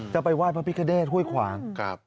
จะไปไหว้พระพิกฤตฮ่วยขวาง